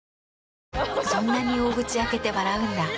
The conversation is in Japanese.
そんなに大口開けて笑うんだ。